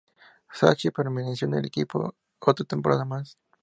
Sacchi permaneció en el equipo otra temporada más.